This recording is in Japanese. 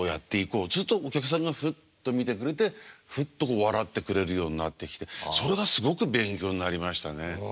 するとお客さんがフッと見てくれてフッと笑ってくれるようになってきてそれがすごく勉強になりましたね。